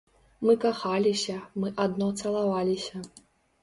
Мы кахаліся, мы адно цалаваліся.